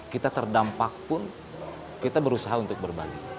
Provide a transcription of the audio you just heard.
kita terdampak pun kita berusaha untuk berbagi